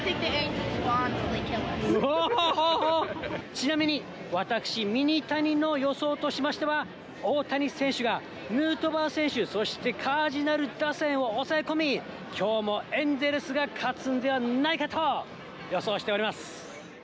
ちなみに、私ミニタニの予想としましては、大谷選手がヌートバー選手、そしてカージナル打線を抑え込み、きょうもエンゼルスが勝つんではないかと予想しております。